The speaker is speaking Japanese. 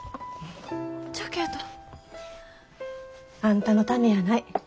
じゃけど。あんたのためやない。